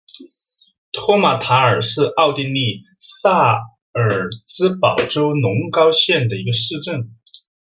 托马塔尔是奥地利萨尔茨堡州隆高县的一个市镇。